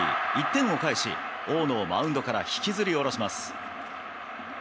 １点を返し、大野をマウンドから引きずりおろします。